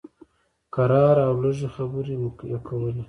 کرار او لږې خبرې یې کولې.